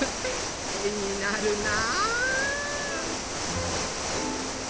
えになるな。